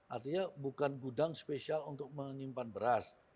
artinya bukan gudang spesial untuk menyimpan beras